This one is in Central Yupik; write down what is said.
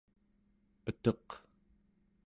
eteq